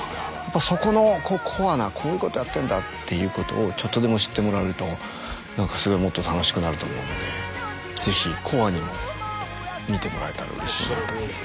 そこのコアなこういうことやってるんだっていうことをちょっとでも知ってもらえると何かすごいもっと楽しくなると思うのでぜひコアにも見てもらえたらうれしいなと思います。